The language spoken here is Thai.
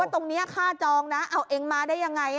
ตรงนี้ค่าจองนะเอาเองมาได้ยังไง